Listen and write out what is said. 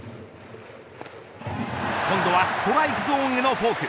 今度はストライクゾーンへのフォーク。